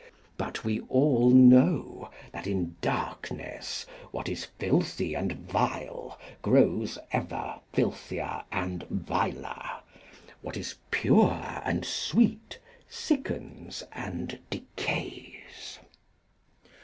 But we all know that in darkness what is filthy and vile grows ever filthier and viler, what is pure and sweet sickens and decays.